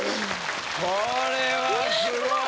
・これはすごい。